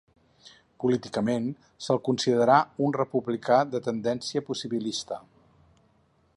Políticament se'l considerà un republicà de tendència possibilista.